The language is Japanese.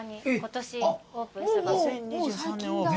２０２３年オープン。